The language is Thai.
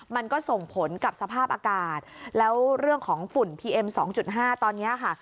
มันก็ส่งผลกับสภาพอากาศแล้วเรื่องของฝุ่นพีเอ็ม๒๕ตอนนี้ค่ะ